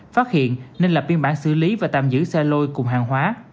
phát hiện nên lập biên bản xử lý và tạm giữ xe lôi cùng hàng hóa